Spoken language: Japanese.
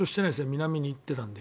南に行っていたので。